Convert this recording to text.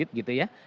branded gitu ya